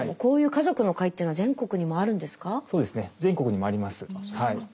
全国にもあります。